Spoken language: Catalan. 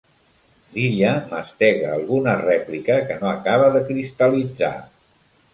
L'Illa mastega alguna rèplica que no acaba de cristal·litzar.